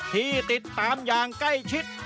ที่ติดตามอย่างใกล้ชิด